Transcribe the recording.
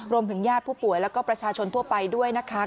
ญาติผู้ป่วยแล้วก็ประชาชนทั่วไปด้วยนะคะ